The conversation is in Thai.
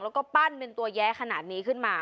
แล้วก็ปั้นเป็นตัวแย้ขนาดนี้ขึ้นมา